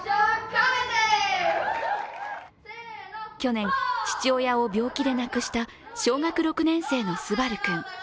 去年、父親を病気で亡くした小学６年生の昴君。